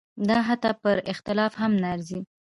دا حتی پر اختلاف هم نه ارزي.